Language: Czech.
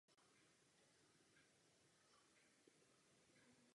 Zhruba od této doby představovalo právnické vzdělání kvalifikaci pro výkon této funkce.